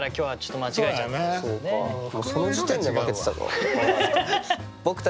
もうその時点で負けてたか。